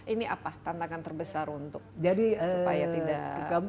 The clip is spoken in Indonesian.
ini apa tantangan terbesar untuk supaya tidak